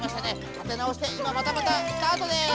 たてなおしていままたまたスタートです。